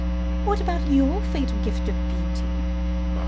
what about YOUR fatal gift of beauty?